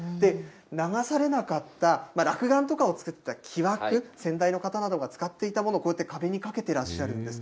流されなかったらくがんとかを作った木枠、先代の方などが使っていたもの、こうやって壁にかけていらっしゃるんです。